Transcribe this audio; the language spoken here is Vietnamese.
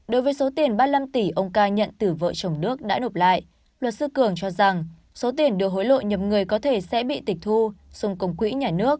đối với số tiền ba mươi năm tỷ ông ca nhận từ vợ chồng đức đã nộp lại luật sư cường cho rằng số tiền đưa hối lộ nhập người có thể sẽ bị tịch thu xung công quỹ nhà nước